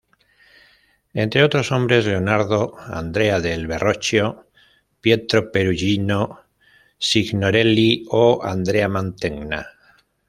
Entre otros nombres, Leonardo, Andrea del Verrocchio, Pietro Perugino, Signorelli o Andrea Mantegna.